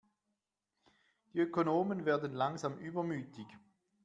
Die Ökonomen werden langsam übermütig.